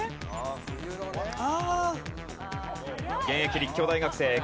現役立教大学生。